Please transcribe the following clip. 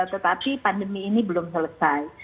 tetapi pandemi ini belum selesai